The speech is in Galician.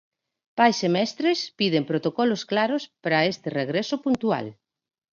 Pais e mestres piden protocolos claros para este regreso puntual.